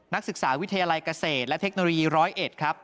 นักศึกษาวิทยาลัยเกษตรและเทคโนโลยี๑๐๑ครับ